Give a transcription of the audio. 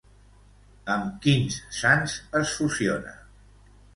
Amb quins sants es fusiona?